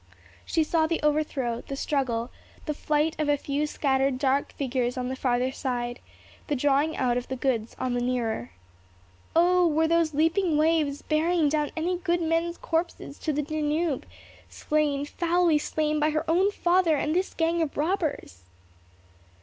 She saw the overthrow, the struggle, the flight of a few scattered dark figures on the farther side, the drawing out of the goods on the nearer. Oh! were those leaping waves bearing down any good men's corpses to the Danube, slain, foully slain by her own father and this gang of robbers?